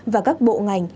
và các bộ ngành